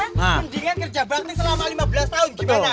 mendingan kerja bakti selama lima belas tahun gimana